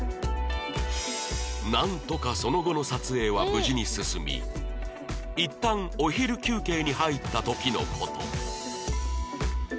なんとかその後の撮影は無事に進みいったんお昼休憩に入った時の事